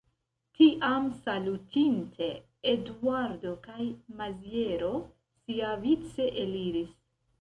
Tiam, salutinte, Eduardo kaj Maziero siavice eliris.